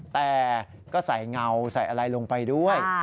แต่ก็ใส่เงาใส่อะไรลงไปด้วย